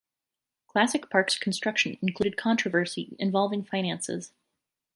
Classic Park's construction included controversy involving finances.